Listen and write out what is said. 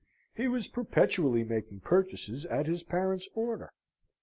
He was perpetually making purchases at his parent's order.